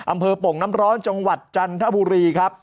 โป่งน้ำร้อนจังหวัดจันทบุรีครับ